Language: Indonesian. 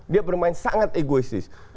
dia bermain sangat egoistis